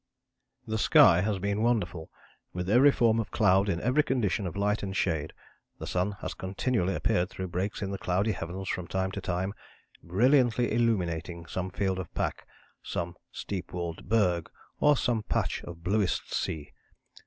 "The sky has been wonderful, with every form of cloud in every condition of light and shade; the sun has continually appeared through breaks in the cloudy heavens from time to time, brilliantly illuminating some field of pack, some steep walled berg, or some patch of bluest sea.